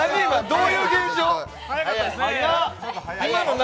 どういう現象？